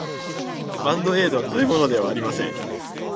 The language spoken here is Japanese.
バンドエードは食べ物ではありません。